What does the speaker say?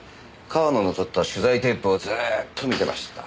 川野の撮った取材テープをずーっと見てました。